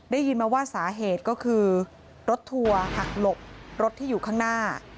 ได้ยินมาว่าสาเหตุก็คือรถทัวร์หักหลบรถที่อยู่ข้างหน้า